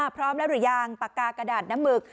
พร้อมแล้วหรือยังปากกากระดาษน้ำหมึก